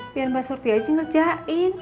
biar mbak surti aja ngerjain